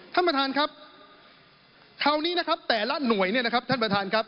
ท่านประธานครับคราวนี้นะครับแต่ละหน่วยเนี่ยนะครับท่านประธานครับ